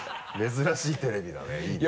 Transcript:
珍しいテレビだねいいね。